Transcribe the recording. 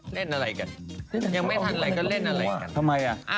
เล่นอะไรกันยังไม่ทันอะไรก็เล่นอะไรทำไมอ่ะ